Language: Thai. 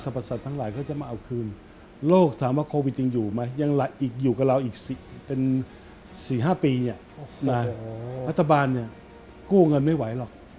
พระตบาลกู้เงินไม่ไหวหรอก